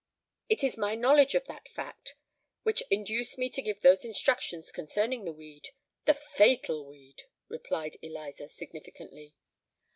"It is my knowledge of that fact which induced me to give those instructions concerning the weed—the fatal weed," replied Eliza, significantly.